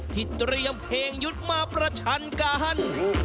ที่เตรียมเพลงยุทธ์มาประชันกัน